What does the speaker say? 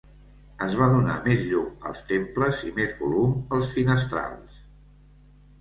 Es va donar més llum als temples i més volum als finestrals.